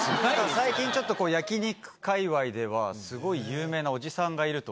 最近ちょっとこう焼き肉界隈ではスゴい有名なおじさんがいると。